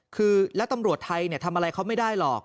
คือแล้วตำรวจไทยทำอะไรเขาไม่ได้หรอก